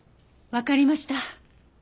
わかりました。